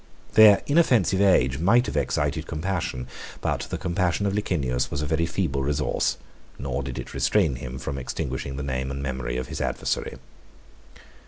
Their inoffensive age might have excited compassion; but the compassion of Licinius was a very feeble resource, nor did it restrain him from extinguishing the name and memory of his adversary.